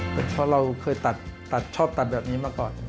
เพราะเราเคยตัดชอบตัดแบบนี้มาก่อน